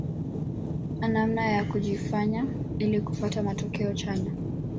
Namna ya kufanya ili kupata matokeo chanya